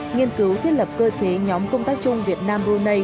nghiên cứu thiết lập cơ chế nhóm công tác chung việt nam brunei